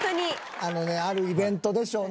あのねあるイベントでしょうね。